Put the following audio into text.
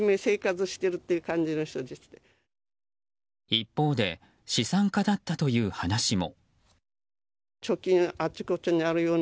一方で資産家だったという話も。